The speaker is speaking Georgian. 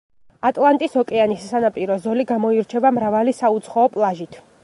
ატლანტის ოკეანის სანაპირო ზოლო გამოირჩევა მრავალი საუცხოო პლაჟით.